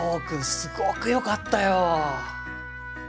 すごく良かったよ。